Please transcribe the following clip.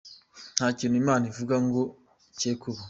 Nta kintu imana ivuga ngo kekuba.